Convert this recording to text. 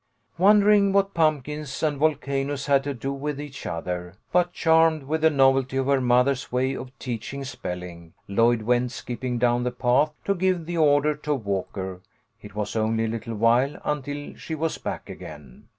Wondering what pumpkins and volcanoes had to do with each other, but charmed with the novelty of her mother's way of teaching spelling, Lloyd went skipping down the path to give the order to Walker. It was only a little while until she was back again.